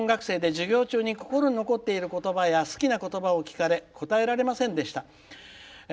今、専門学生で授業中に心に残っていることば好きなことばを聞かれ答えられませんでした。